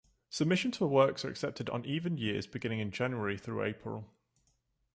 Submissions for works are accepted on even years beginning in January through April.